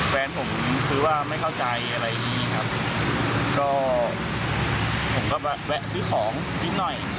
แฟนผมคือว่าไม่เข้าใจอะไรอย่างงี้ครับก็ผมก็แวะซื้อของนิดหน่อย